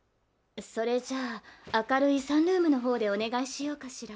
それじゃあ、明るいサンルームの方でお願いしようかしら。